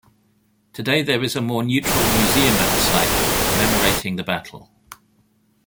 Today there is a more neutral museum at the site commemorating the battle.